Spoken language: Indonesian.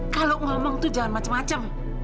kalau ngomong itu jangan macem macem